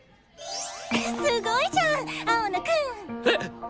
すごいじゃん青野くん！えっ！